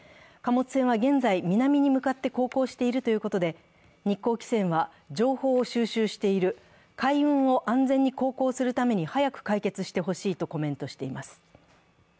貨物船は現在、南に向かって航行しているということで日興汽船は情報を収集している、海運を安全に航行するために早く解決してほしいとコメントしています。